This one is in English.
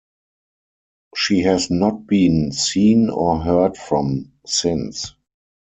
She has not been seen or heard from since.